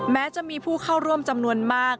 แม้จะมีผู้เข้าร่วมจำนวนมาก